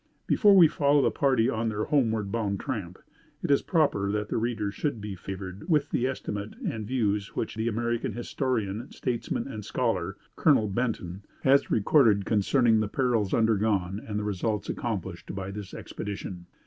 Before we follow the party on their homeward bound tramp, it is proper that the reader should be favored with the estimate and views which the American historian, statesman and scholar, Colonel Benton, has recorded concerning the perils undergone and results accomplished by this expedition.